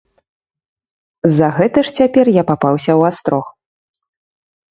За гэта ж цяпер я папаўся ў астрог.